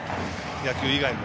野球以外も。